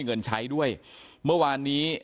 เชิงชู้สาวกับผอโรงเรียนคนนี้